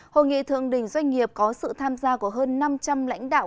hội nghị thượng đỉnh doanh nghiệp có sự tham gia của hơn năm trăm linh lãnh đạo